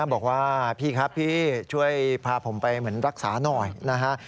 บอกว่าพี่ครับพี่ช่วยพาผมไปเหมือนรักษาหน่อยนะฮะ